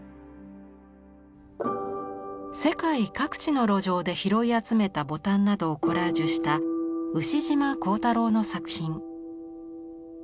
世界各地の路上で拾い集めたボタンなどをコラージュした牛島光太郎の作品。